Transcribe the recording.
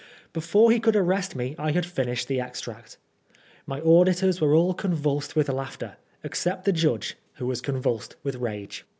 Before he could arrest me I had finished the extract. My auditors were all convulsed with laughter, except the judge, who was convulsed with rage.